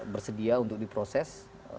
bersedia untuk diproses